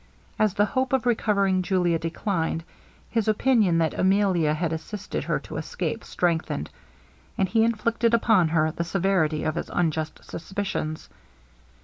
As the hope of recovering Julia declined, his opinion that Emilia had assisted her to escape strengthened, and he inflicted upon her the severity of his unjust suspicions.